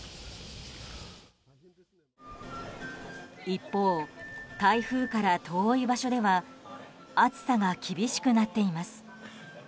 一方、台風から遠い場所では暑さが厳しくなっています。